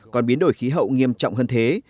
còn biến đổi khí hậu nghiêm trọng hơn thế